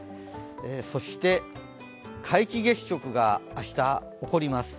そして、皆既月食が明日起こります。